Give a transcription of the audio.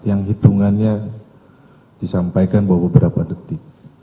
yang hitungannya disampaikan bahwa beberapa detik